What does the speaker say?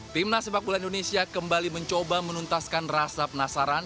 timnas sepak bola indonesia kembali mencoba menuntaskan rasa penasaran